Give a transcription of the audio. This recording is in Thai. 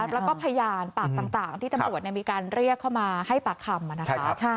แล้วก็พยานปากต่างที่ตำรวจมีการเรียกเข้ามาให้ปากคำนะคะ